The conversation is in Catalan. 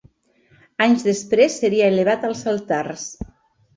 Anys després seria elevat als altars.